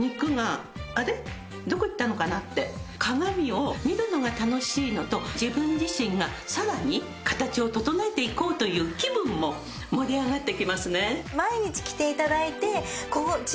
鏡を見るのが楽しいのと自分自身がさらに形を整えていこうという気分も盛り上がってきますね。